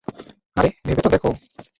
আরে, ভেবে তো দেখ!